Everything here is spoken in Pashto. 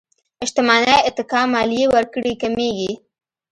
شتمنۍ اتکا ماليې ورکړې کمېږي.